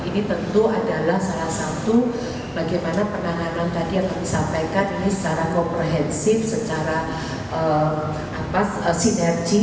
ini tentu adalah salah satu bagaimana penanganan tadi yang kami sampaikan ini secara komprehensif secara sinergi